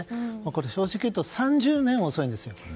正直言うと３０年遅いんですよ。